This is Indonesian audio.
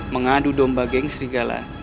mengadu domba geng serigala